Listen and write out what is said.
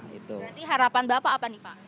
berarti harapan bapak apa nih pak